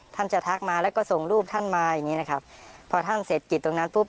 ท่านจะทักมาแล้วก็ส่งรูปท่านมาอย่างงี้นะครับพอท่านเสร็จกิจตรงนั้นปุ๊บ